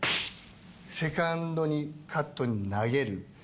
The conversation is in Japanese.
セカンドにカットに投げる。